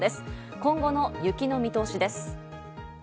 今後の雪の見通しです。